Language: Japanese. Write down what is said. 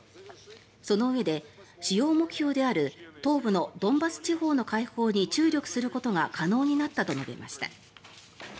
そのうえで、主要目標である東部のドンバス地方の解放に注力することが可能になったと述べました。